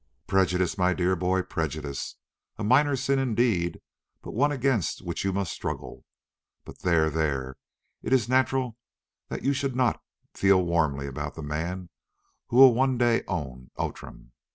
"Prejudice, my dear boy, prejudice. A minor sin indeed, but one against which you must struggle. But there, there, it is natural that you should not feel warmly about the man who will one day own Outram.